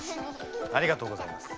ありがとうございます。